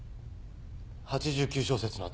８９小節の頭。